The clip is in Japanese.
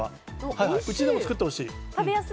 いつでも作ってほしい。